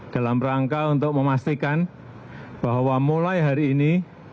dalam rangka untuk memastikan bahwa mulai hari ini